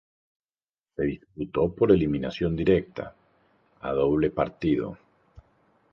Se disputó por eliminación directa, a doble partido.